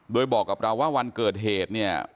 โดยบอกกับเราว่าวันเกิดเหตุเนี่ย